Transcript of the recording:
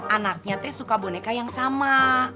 anaknya suka boneka yang sama